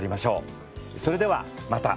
それではまた。